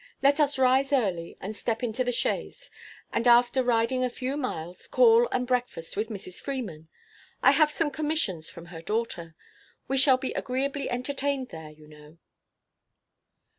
Let us rise early, and step into the chaise, and, after riding a few miles, call and breakfast with Mrs. Freeman. I have some commissions from her daughter. We shall be agreeably entertained there, you know."